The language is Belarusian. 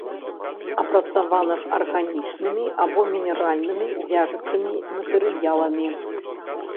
Апрацаваных арганічнымі або мінеральнымі вяжучымі матэрыяламі